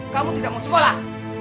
kamu tidak mau sekolah